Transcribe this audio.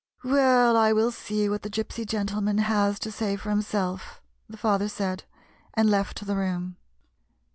" Well, I will see what the ' Gypsy gentleman ' has to say for himseli," the father said, and left the room.